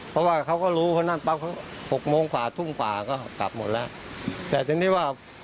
เพราะว่าเขาก็รู้เพราะนั่นปั๊บ๖โมงกว่าทุ่มกว่าก็กลับหมดแล้ว